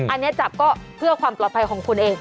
อันนี้จับก็เพื่อความปลอดภัยของคุณเอง